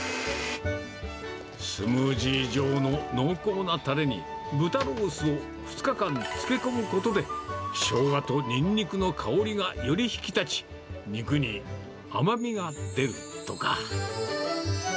スムージー状の濃厚なたれに豚ロースを２日間漬け込むことで、しょうがとニンニクの香りがより引き立ち、肉に甘みが出るとか。